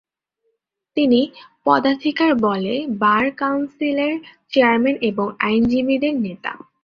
তিনি পদাধিকারবলে বার কাউন্সিলের চেয়ারম্যান এবং আইনজীবীদের নেতা।